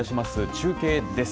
中継です。